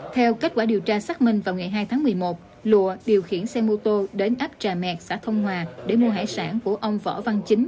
theo kết quả điều tra xác minh vào ngày hai tháng một mươi một lụa điều khiển xe mô tô đến ấp trà mẹt xã thông hòa để mua hải sản của ông võ văn chính